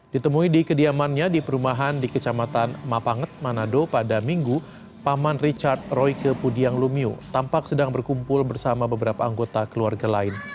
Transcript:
ditemui di kediamannya di perumahan di kecamatan mapanget manado pada minggu paman richard royke pudiang lumiu tampak sedang berkumpul bersama beberapa anggota keluarga lain